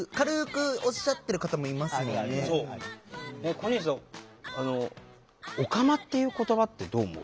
小西さん「オカマ」っていう言葉ってどう思う？